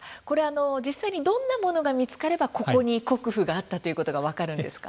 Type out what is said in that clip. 実際にどんなものが見つかれば、ここに国府があったということが分かるんですか。